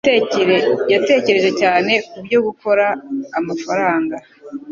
Yatekereje cyane kubyo gukora amafaranga.